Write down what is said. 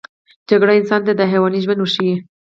جګړه انسان ته د حیواني ژوند ورښيي